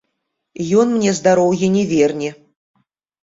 Ён мне здароўе не верне.